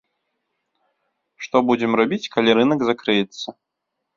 Што будзем рабіць, калі рынак закрыецца?